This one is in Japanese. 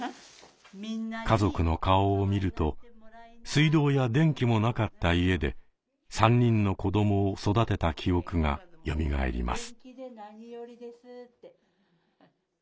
家族の顔を見ると水道や電気もなかった家で３人の子どもを育てた記憶がよみがえります。